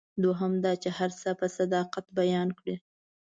دوهم دا چې هر څه یې په صداقت بیان کړي.